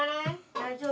大丈夫？